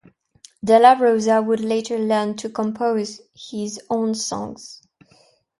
Dela Rosa would later learn to compose his own songs.